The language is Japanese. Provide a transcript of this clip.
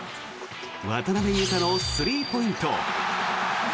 渡邊雄太のスリーポイント。